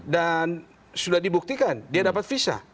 dan sudah dibuktikan dia dapat visa